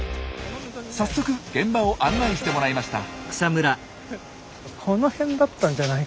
早速現場を案内してもらいました。